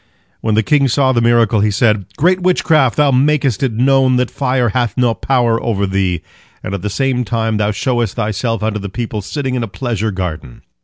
When the king saw the miracle, he said: "Great witchcraft! Thou makest it known that fire hath no power over thee, and at the same time thou showest thyself unto the people sitting in a pleasure garden."